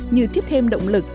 như thiếp thêm động lực